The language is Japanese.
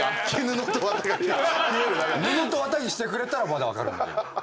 布と綿にしてくれたらまだ分かるんだけど。